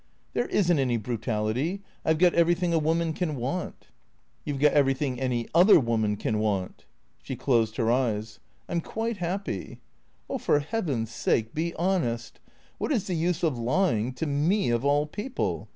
" There is n't any brutality. I 've got everything a woman can want." " You 've got everything any other woman can want." She closed her eyes. " I 'm quite happy." " For heaven's sake be honest. What is the use of lying, to me of all people?